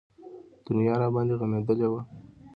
دنيا راباندې غمېدلې وه.